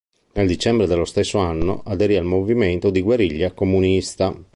Nel dicembre dello stesso anno, aderì al movimento di guerriglia comunista.